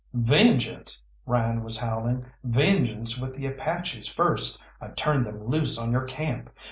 "Vengeance!" Ryan was howling; "vengeance with the Apaches first I turned them loose on your camp!